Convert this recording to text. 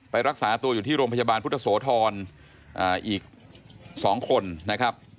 รักษาตัวอยู่ที่โรงพยาบาลพุทธโสธรอีก๒คนนะครับ